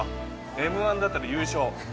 Ｍ−１だったら優勝